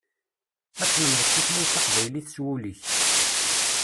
Ad tlemdeḍ tutlyat taqbaylit s wul-ik.